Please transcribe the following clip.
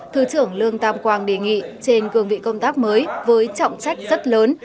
thứ trưởng lương tam quang đề nghị trên cường vị công tác mới với trọng trách rất lớn